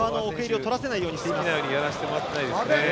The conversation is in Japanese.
好きなようにやらせてもらってないですね。